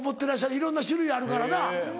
いろんな種類あるからな。